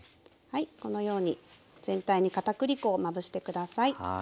このように全体に片栗粉をまぶして下さい。